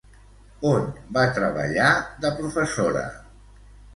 On va treballar de professora?